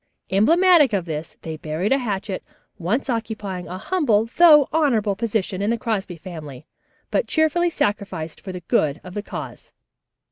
Emblematic of this they buried a hatchet, once occupying a humble though honorable position in the Crosby family, but cheerfully sacrificed for the good of the cause.